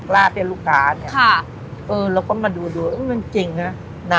ลาบให้ลูกค้าเนี่ยเออเราก็มาดูดูมันจริงนะ